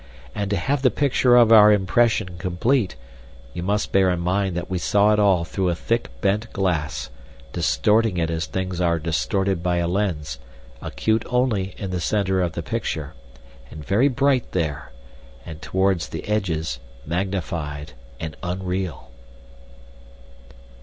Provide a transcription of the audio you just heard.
And to have the picture of our impression complete, you must bear in mind that we saw it all through a thick bent glass, distorting it as things are distorted by a lens, acute only in the centre of the picture, and very bright there, and towards the edges magnified and unreal.